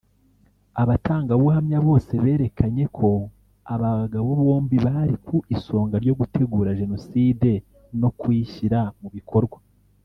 Abatangabuhamya bose berekanye ko aba bagabo bombi bari ku isonga ryo gutegura Jenoside no kuyishyira mu bikorwa